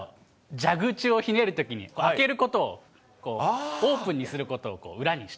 蛇口をひねるときに、開けることを、オープンにすることを裏にして。